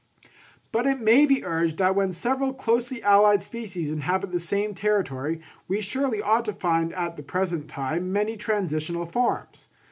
But it may be urged that when several closely allied species inhabit the same territory, we surely ought to find at the present time many transitional forms.